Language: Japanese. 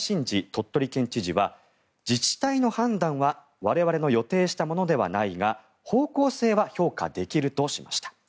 鳥取県知事は自治体の判断は我々の予定したものではないが方向性は評価できるとしました。